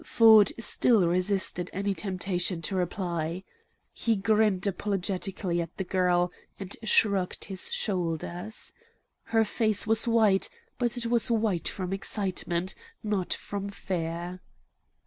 Ford still resisted any temptation to reply. He grinned apologetically at the girl and shrugged his shoulders. Her face was white, but it was white from excitement, not from fear.